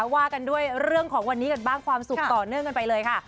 ว่ากันด้วยเรื่องของวันนี้กันบ้างความสุขต่อเนื่องกันไปเลยค่ะ